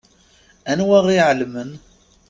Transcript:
Anwa i iɛelmen?